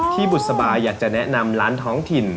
บุษบายอยากจะแนะนำร้านท้องถิ่น